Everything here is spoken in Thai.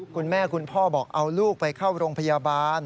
คุณพ่อบอกเอาลูกไปเข้าโรงพยาบาล